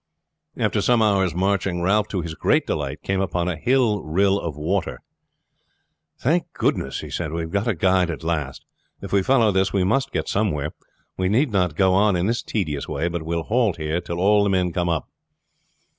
After some hours' marching Ralph, to his great delight, came upon a hill rill of water. "Thank goodness," he said, "we have got a guide at last. If we follow this we must get somewhere. We need not go on in this tedious way, but will halt here till all the men come up."